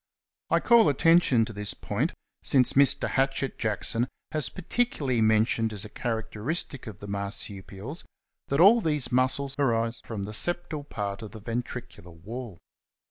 I call attention to this point since Mr. Hatchett Jackson^ has particularly mentioned as a characteristic of the Marsupials that all these muscles arise from the septal part of the ventricular wall.